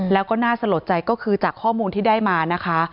แล้วก็น่าสะหรับใจก็คือจากข้อมูลที่ได้มานะคะ